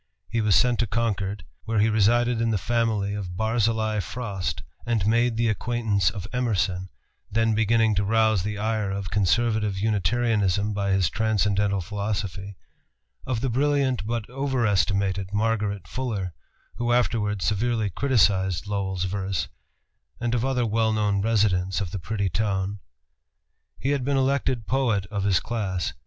He was sent to Concord, where he resided in the family of Barzillai Frost, and made the acquaintance of Emerson, then beginning to rouse the ire of conservative Unitarianism by his transcendental philosophy, of the brilliant but overestimated Margaret Fuller, who afterwards severely criticised Lowell's verse, and of other well known residents of the pretty town. He had been elected poet of his class.